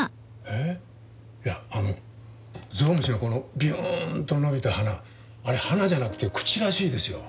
いやあのゾウムシのこのビューンと伸びた鼻あれ鼻じゃなくて口らしいですよ。